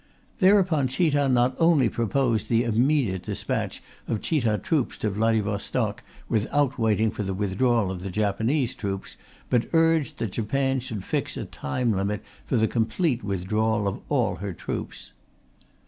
Thereupon Chita not only proposed the immediate despatch of Chita troops to Vladivostok without waiting for the withdrawal of the Japanese troops, but urged that Japan should fix a tine limit for the complete withdrawal of all her troops.